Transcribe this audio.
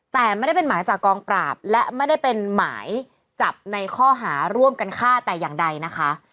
แต่ไม่ได้เป็นหมายจากกองปราบและไม่ได้เป็นหมายจับในข้อหาร่วมกันฆ่าแต่อย่างใดนะคะ